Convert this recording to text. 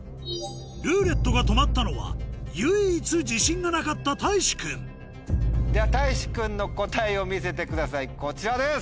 「ルーレット」が止まったのは唯一自信がなかったたいし君ではたいし君の答えを見せてくださいこちらです。